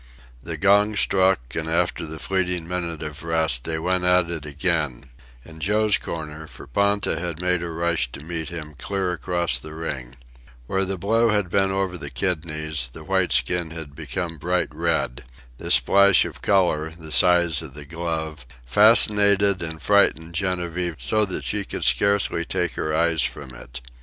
The gong struck, and after the fleeting minute of rest, they went at it again in Joe's corner, for Ponta had made a rush to meet him clear across the ring. Where the blow had been over the kidneys, the white skin had become bright red. This splash of color, the size of the glove, fascinated and frightened Genevieve so that she could scarcely take her eyes from it.